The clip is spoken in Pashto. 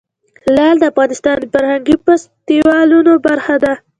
لعل د افغانستان د فرهنګي فستیوالونو برخه ده.